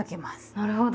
なるほど。